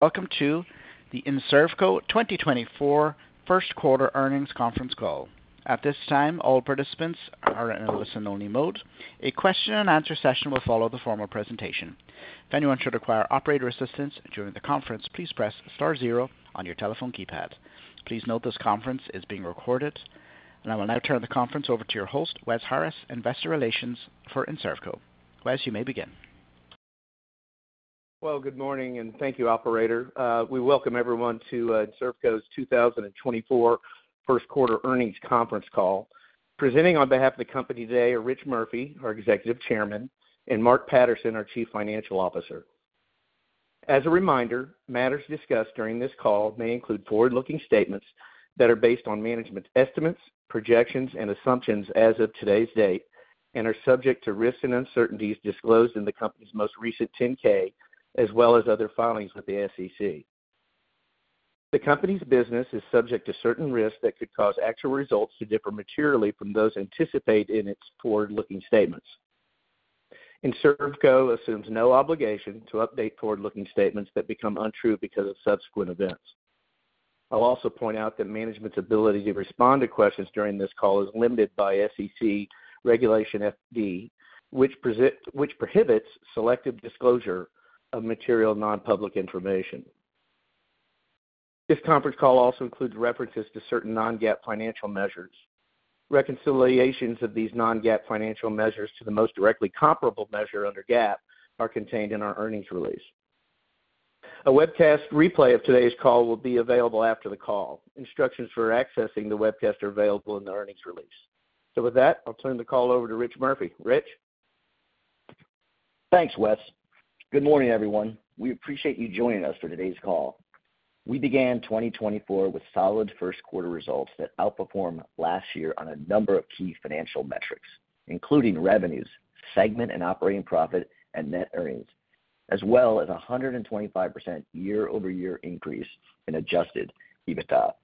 ...Welcome to the Enservco 2024 first quarter earnings conference call. At this time, all participants are in listen-only mode. A question and answer session will follow the formal presentation. If anyone should require operator assistance during the conference, please press star zero on your telephone keypad. Please note, this conference is being recorded. I will now turn the conference over to your host, Wes Harris, Investor Relations for Enservco. Wes, you may begin. Well, good morning, and thank you, operator. We welcome everyone to Enservco's 2024 first quarter earnings conference call. Presenting on behalf of the company today are Rich Murphy, our Executive Chairman, and Mark Patterson, our Chief Financial Officer. As a reminder, matters discussed during this call may include forward-looking statements that are based on management's estimates, projections, and assumptions as of today's date, and are subject to risks and uncertainties disclosed in the company's most recent 10-K, as well as other filings with the SEC. The company's business is subject to certain risks that could cause actual results to differ materially from those anticipated in its forward-looking statements. Enservco assumes no obligation to update forward-looking statements that become untrue because of subsequent events. I'll also point out that management's ability to respond to questions during this call is limited by SEC Regulation FD, which prohibits selective disclosure of material non-public information. This conference call also includes references to certain non-GAAP financial measures. Reconciliations of these non-GAAP financial measures to the most directly comparable measure under GAAP are contained in our earnings release. A webcast replay of today's call will be available after the call. Instructions for accessing the webcast are available in the earnings release. So with that, I'll turn the call over to Rich Murphy. Rich? Thanks, Wes. Good morning, everyone. We appreciate you joining us for today's call. We began 2024 with solid first quarter results that outperformed last year on a number of key financial metrics, including revenues, segment and operating profit, and net earnings, as well as a 125% year-over-year increase in adjusted EBITDA.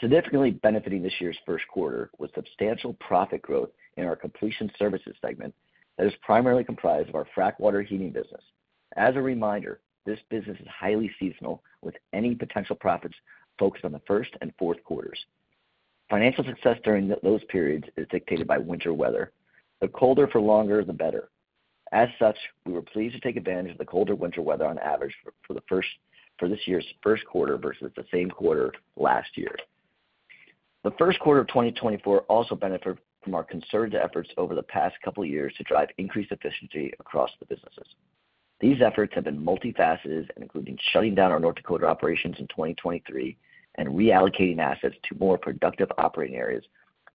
Significantly benefiting this year's first quarter was substantial profit growth in our completion services segment that is primarily comprised of our frac water heating business. As a reminder, this business is highly seasonal, with any potential profits focused on the first and fourth quarters. Financial success during those periods is dictated by winter weather. The colder for longer, the better. As such, we were pleased to take advantage of the colder winter weather on average for this year's first quarter versus the same quarter last year. The first quarter of 2024 also benefited from our concerted efforts over the past couple of years to drive increased efficiency across the businesses. These efforts have been multifaceted, including shutting down our North Dakota operations in 2023 and reallocating assets to more productive operating areas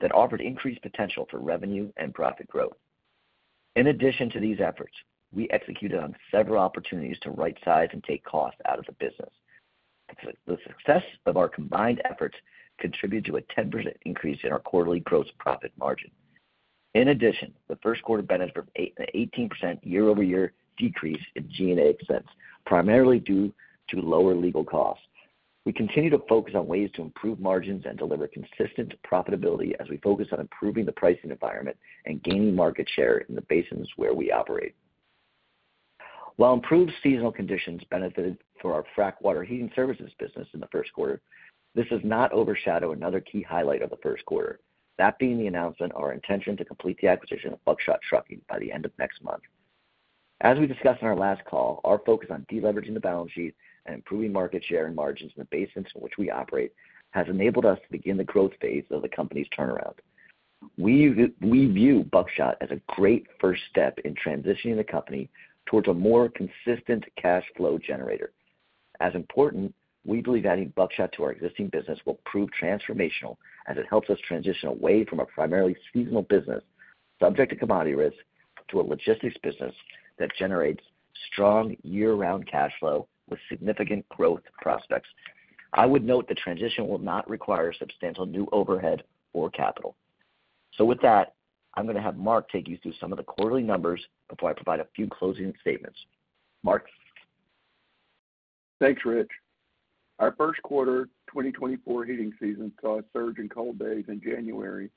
that offered increased potential for revenue and profit growth. In addition to these efforts, we executed on several opportunities to right size and take costs out of the business. The success of our combined efforts contributed to a 10% increase in our quarterly gross profit margin. In addition, the first quarter benefited from an 18% year-over-year decrease in G&A expenses, primarily due to lower legal costs. We continue to focus on ways to improve margins and deliver consistent profitability as we focus on improving the pricing environment and gaining market share in the basins where we operate. While improved seasonal conditions benefited our frac water heating services business in the first quarter, this does not overshadow another key highlight of the first quarter, that being the announcement of our intention to complete the acquisition of Buckshot Trucking by the end of next month. As we discussed on our last call, our focus on deleveraging the balance sheet and improving market share and margins in the basins in which we operate has enabled us to begin the growth phase of the company's turnaround. We view Buckshot as a great first step in transitioning the company towards a more consistent cash flow generator. As important, we believe adding Buckshot to our existing business will prove transformational as it helps us transition away from a primarily seasonal business, subject to commodity risk, to a logistics business that generates strong year-round cash flow with significant growth prospects. I would note the transition will not require substantial new overhead or capital. With that, I'm going to have Mark take you through some of the quarterly numbers before I provide a few closing statements. Mark? Thanks, Rich. Our first quarter 2024 heating season saw a surge in cold days in January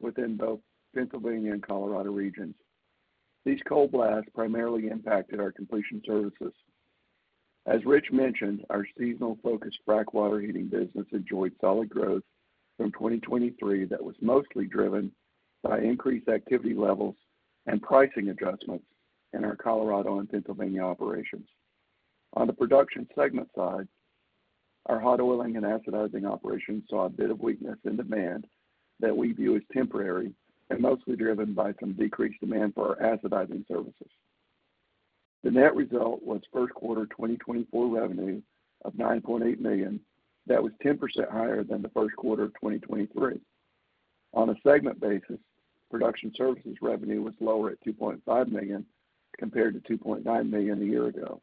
within both Pennsylvania and Colorado regions. These cold blasts primarily impacted our completion services. As Rich mentioned, our seasonal-focused Frac water heating business enjoyed solid growth from 2023 that was mostly driven by increased activity levels and pricing adjustments in our Colorado and Pennsylvania operations. On the production segment side, our hot oiling and acidizing operations saw a bit of weakness in demand that we view as temporary and mostly driven by some decreased demand for our acidizing services. The net result was first quarter 2024 revenue of $9.8 million. That was 10% higher than the first quarter of 2023. On a segment basis, production services revenue was lower at $2.5 million, compared to $2.9 million a year ago.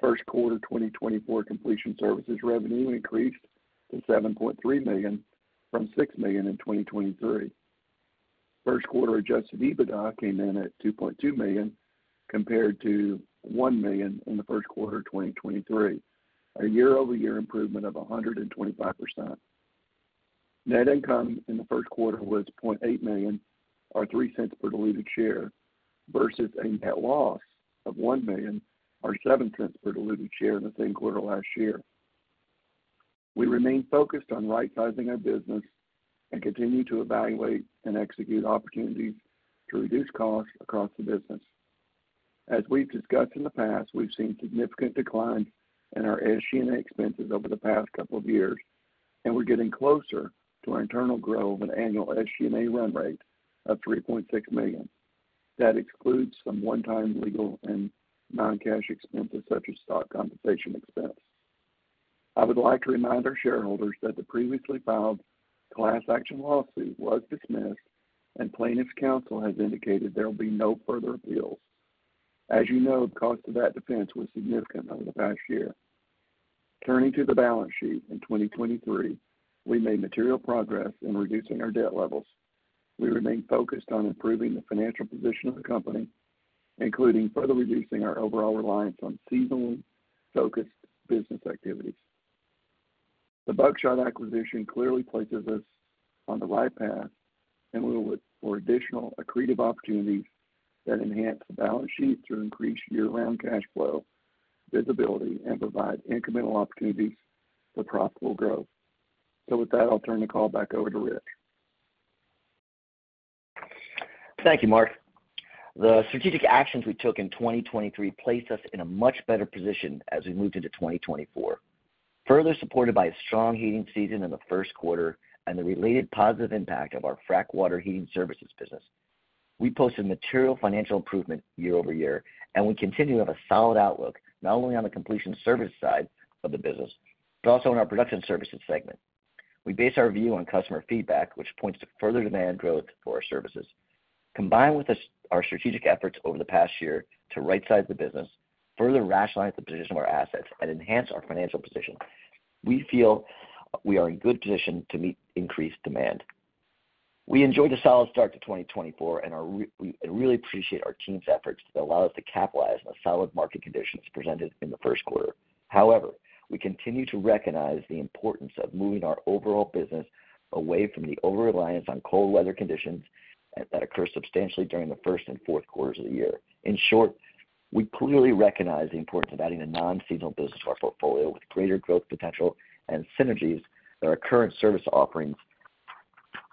First quarter 2024 completion services revenue increased to $7.3 million from $6 million in 2023. First quarter adjusted EBITDA came in at $2.2 million, compared to $1 million in the first quarter of 2023, a year-over-year improvement of 125%. Net income in the first quarter was $0.8 million, or $0.03 per diluted share, versus a net loss of $1 million, or $0.07 per diluted share in the same quarter last year. We remain focused on right sizing our business and continue to evaluate and execute opportunities to reduce costs across the business. As we've discussed in the past, we've seen significant decline in our SG&A expenses over the past couple of years, and we're getting closer to our internal goal of an annual SG&A run rate of $3.6 million. That excludes some one-time legal and non-cash expenses, such as stock compensation expense. I would like to remind our shareholders that the previously filed class action lawsuit was dismissed, and plaintiff's counsel has indicated there will be no further appeals. As you know, the cost of that defense was significant over the past year. Turning to the balance sheet, in 2023, we made material progress in reducing our debt levels. We remain focused on improving the financial position of the company, including further reducing our overall reliance on seasonally focused business activities. The Buckshot acquisition clearly places us on the right path, and we will look for additional accretive opportunities that enhance the balance sheet to increase year-round cash flow, visibility, and provide incremental opportunities for profitable growth. So with that, I'll turn the call back over to Rich. Thank you, Mark. The strategic actions we took in 2023 placed us in a much better position as we moved into 2024, further supported by a strong heating season in the first quarter and the related positive impact of our frac water heating services business. We posted material financial improvement year-over-year, and we continue to have a solid outlook, not only on the completion service side of the business, but also in our production services segment. We base our view on customer feedback, which points to further demand growth for our services. Combined with our strategic efforts over the past year to rightsize the business, further rationalize the position of our assets, and enhance our financial position, we feel we are in good position to meet increased demand. We enjoyed a solid start to 2024 and are really appreciate our team's efforts that allow us to capitalize on the solid market conditions presented in the first quarter. However, we continue to recognize the importance of moving our overall business away from the overreliance on cold weather conditions that occur substantially during the first and fourth quarters of the year. In short, we clearly recognize the importance of adding a non-seasonal business to our portfolio with greater growth potential and synergies that our current service offerings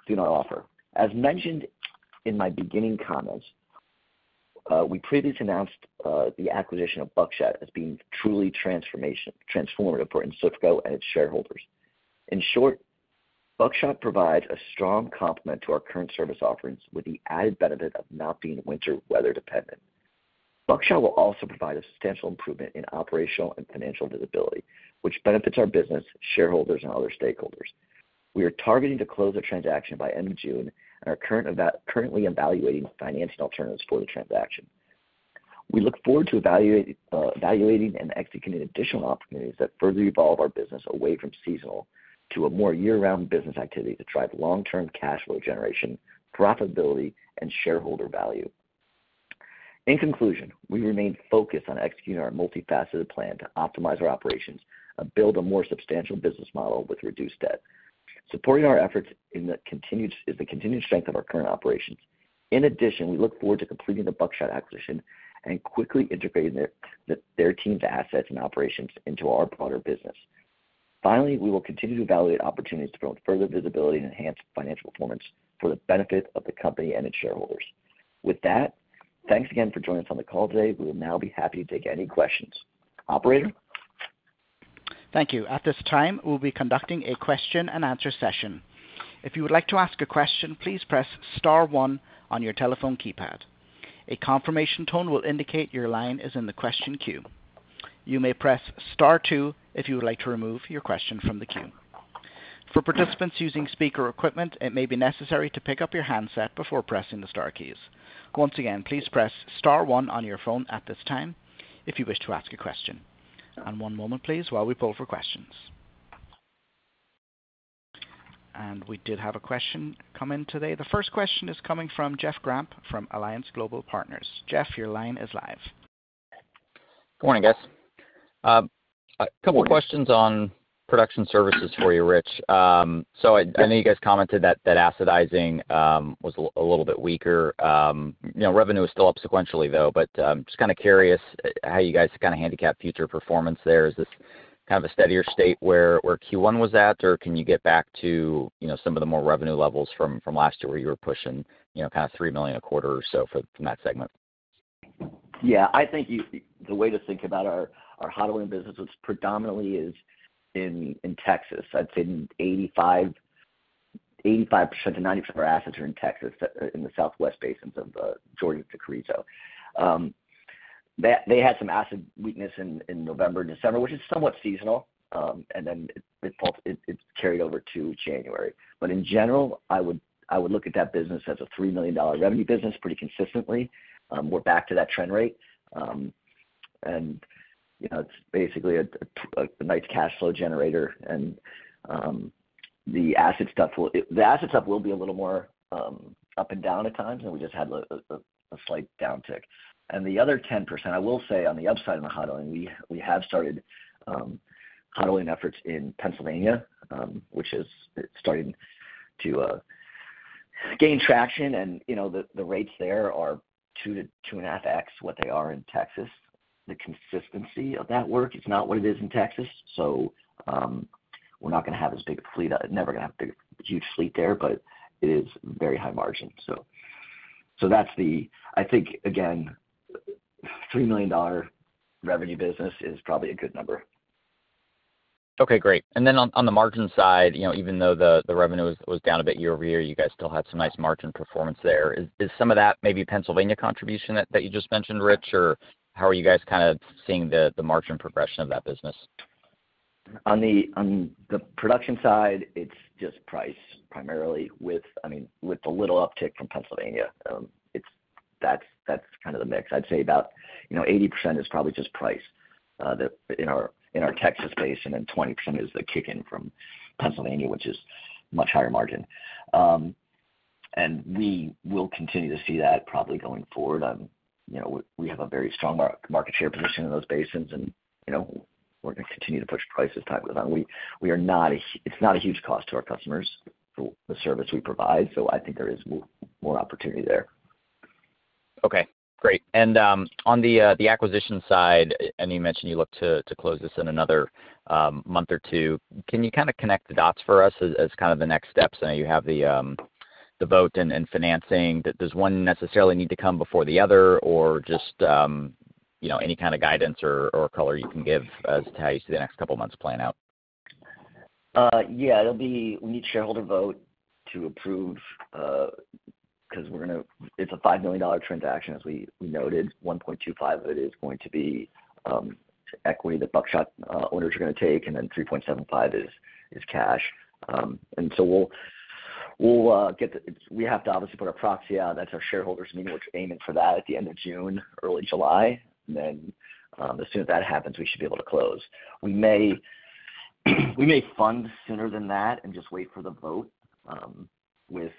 do not offer. As mentioned in my beginning comments, we previously announced the acquisition of Buckshot as being truly transformative for Enservco and its shareholders. In short, Buckshot provides a strong complement to our current service offerings, with the added benefit of not being winter weather dependent. Buckshot will also provide a substantial improvement in operational and financial visibility, which benefits our business, shareholders, and other stakeholders. We are targeting to close the transaction by end of June and are currently evaluating financial alternatives for the transaction. We look forward to evaluating and executing additional opportunities that further evolve our business away from seasonal to a more year-round business activity to drive long-term cash flow generation, profitability, and shareholder value. In conclusion, we remain focused on executing our multifaceted plan to optimize our operations and build a more substantial business model with reduced debt. Supporting our efforts is the continued strength of our current operations. In addition, we look forward to completing the Buckshot acquisition and quickly integrating their team's assets and operations into our broader business. Finally, we will continue to evaluate opportunities to build further visibility and enhance financial performance for the benefit of the company and its shareholders. With that, thanks again for joining us on the call today. We will now be happy to take any questions. Operator? Thank you. At this time, we'll be conducting a question-and-answer session. If you would like to ask a question, please press star one on your telephone keypad. A confirmation tone will indicate your line is in the question queue. You may press star two if you would like to remove your question from the queue. For participants using speaker equipment, it may be necessary to pick up your handset before pressing the star keys. Once again, please press star one on your phone at this time if you wish to ask a question. One moment, please, while we pull for questions. We did have a question come in today. The first question is coming from Jeff Grampp from Alliance Global Partners. Jeff, your line is live. Good morning, guys. A couple questions on production services for you, Rich. So I know you guys commented that acidizing was a little bit weaker. You know, revenue is still up sequentially, though, but just kind of curious how you guys kind of handicap future performance there. Is this kind of a steadier state where Q1 was at? Or can you get back to, you know, some of the more revenue levels from last year, where you were pushing, you know, kind of $3 million a quarter or so for that segment? Yeah, I think you, the way to think about our hot oiling business, which predominantly is in Texas. I'd say 85%-90% of our assets are in Texas in the southwest basins of Georgia to Carrizo. That they had some acid weakness in November and December, which is somewhat seasonal, and then it carried over to January. But in general, I would look at that business as a $3 million revenue business pretty consistently. We're back to that trend rate. And, you know, it's basically a nice cash flow generator. And the acid stuff will be a little more up and down at times, and we just had a slight downtick. The other 10%, I will say, on the upside, in the hot oiling, we have started hot oiling efforts in Pennsylvania, which is starting to gain traction and, you know, the rates there are 2x-2.5x what they are in Texas. The consistency of that work, it's not what it is in Texas, so we're not gonna have as big a fleet, never gonna have big, huge fleet there, but it is very high margin. So that's the - I think, again, $3 million revenue business is probably a good number. Okay, great. And then on the margin side, you know, even though the revenue was down a bit year-over-year, you guys still had some nice margin performance there. Is some of that maybe Pennsylvania contribution that you just mentioned, Rich? Or how are you guys kind of seeing the margin progression of that business? On the production side, it's just price, primarily with, I mean, with a little uptick from Pennsylvania. It's that, that's kind of the mix. I'd say about, you know, 80% is probably just price that in our Texas basin, and then 20% is the kick in from Pennsylvania, which is much higher margin. And we will continue to see that probably going forward. You know, we have a very strong market share position in those basins, and, you know, we're gonna continue to push prices tight with them. It's not a huge cost to our customers for the service we provide, so I think there is more opportunity there. Okay, great. And, on the, the acquisition side, I know you mentioned you look to close this in another month or two. Can you kind of connect the dots for us as kind of the next steps? I know you have the, the vote and financing. Does one necessarily need to come before the other, or just, you know, any kind of guidance or color you can give as to how you see the next couple of months playing out? Yeah, it'll be, we need shareholder vote to approve, 'cause we're gonna—it's a $5 million transaction, as we, we noted. 1.25 of it is going to be equity the Buckshot owners are gonna take, and then 3.75 is cash. And so we'll, we'll get the... We have to obviously put our proxy out. That's our shareholders meeting, which aiming for that at the end of June, early July. And then, as soon as that happens, we should be able to close. We may fund sooner than that and just wait for the vote, with,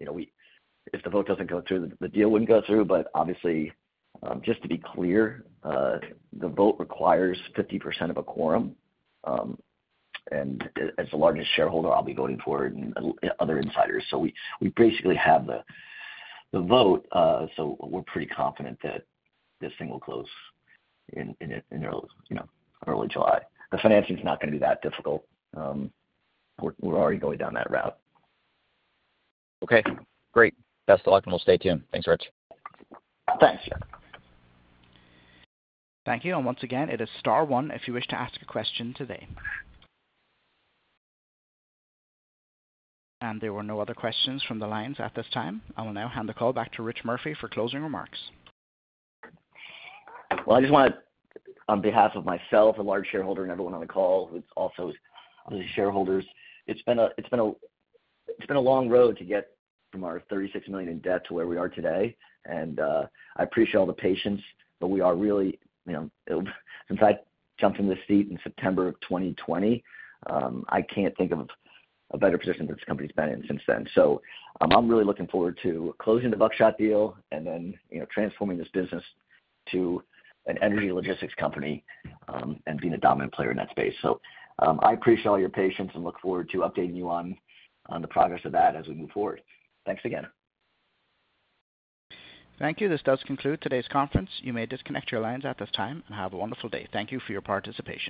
you know, we—if the vote doesn't go through, the deal wouldn't go through. But obviously, just to be clear, the vote requires 50% of a quorum. And as the largest shareholder, I'll be voting for it and other insiders. So we basically have the vote, so we're pretty confident that this thing will close in early, you know, early July. The financing is not gonna be that difficult. We're already going down that route. Okay, great. Best of luck, and we'll stay tuned. Thanks, Rich. Thanks. Thank you. Once again, it is star one if you wish to ask a question today. There were no other questions from the lines at this time. I will now hand the call back to Rich Murphy for closing remarks. Well, I just wanna, on behalf of myself, a large shareholder and everyone on the call, who's also the shareholders, it's been a, it's been a, it's been a long road to get from our $36 million in debt to where we are today, and I appreciate all the patience, but we are really, you know, since I jumped in this seat in September of 2020, I can't think of a better position that this company's been in since then. So, I'm really looking forward to closing the Buckshot deal and then, you know, transforming this business to an energy logistics company, and being a dominant player in that space. So, I appreciate all your patience and look forward to updating you on, on the progress of that as we move forward. Thanks again. Thank you. This does conclude today's conference. You may disconnect your lines at this time and have a wonderful day. Thank you for your participation.